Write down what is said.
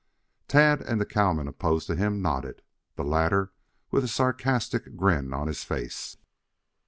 Tad and the cowman opposed to him nodded, the latter with a sarcastic grin on his face.